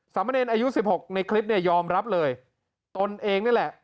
มะเนรอายุสิบหกในคลิปเนี่ยยอมรับเลยตนเองนี่แหละ